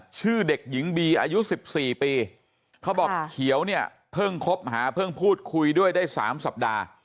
ชื่อเด็กหญิงบีอายุ๑๔ปีเขาบอกเขียวเนี่ยเพิ่งคบหาเพิ่งพูดคุยด้วยได้๓สัปดาห์